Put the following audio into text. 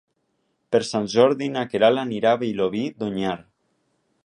Per Sant Jordi na Queralt anirà a Vilobí d'Onyar.